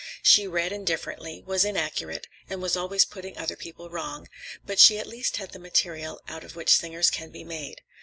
She read indifferently, was inaccurate, and was always putting other people wrong, but she at least had the material out of which singers can be made.